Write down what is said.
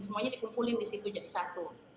semuanya dikumpulin di situ jadi satu